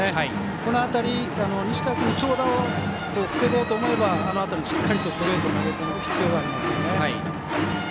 この辺り、西川君の長打を防ごうと思えば、あの辺りしっかりとストレートを投げ込む必要がありますよね。